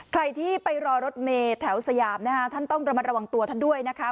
ใครที่ไปรอรถเมย์แถวสยามนะคะท่านต้องระมัดระวังตัวท่านด้วยนะคะ